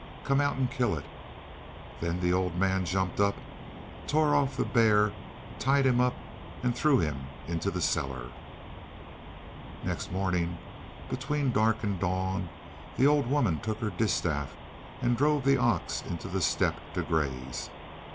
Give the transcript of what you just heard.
Come out and kill it!" Then the old man jumped up, tore off the bear, tied him up, and threw him in the cellar. Next morning, between dark and dawn, the old woman took her distaff and drove the ox into the steppe to graze.